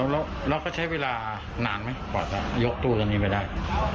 แล้วเขาใช้เวลานานไหมกว่าจะยกตู้ตัวนี้ไปได้